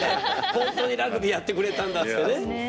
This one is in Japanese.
本当にラグビーやってくれたんだっつってね。